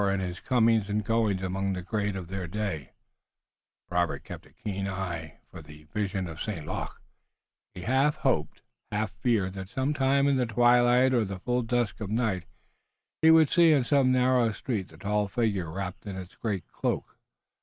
In his comings and goings among the great of their day Robert kept a keen eye for the vision of St. Luc. He half hoped, half feared that some time in the twilight or the full dusk of the night he would see in some narrow street the tall figure wrapped in its great cloak.